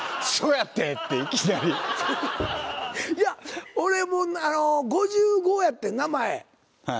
いや俺５５やってんな前。